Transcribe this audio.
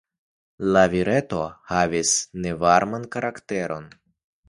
La vireto havis nerveman karakteron.